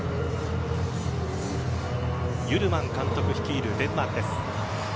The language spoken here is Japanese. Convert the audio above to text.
ユルマン監督率いるデンマークです。